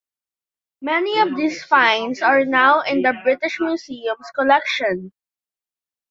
Many of these finds are now in the British Museum's collection.